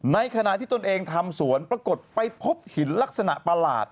ในขณะที่ตนเองทำสวนปรากฏไปพบหินลักษณะประหลาด